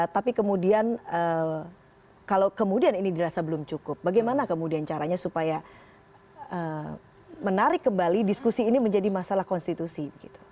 tapi kemudian kalau kemudian ini dirasa belum cukup bagaimana kemudian caranya supaya menarik kembali diskusi ini menjadi masalah konstitusi